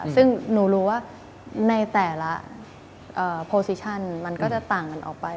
ซึ่งหนูรู้ว่าในแต่ละโปรซิชั่นมันก็จะต่างกันออกไป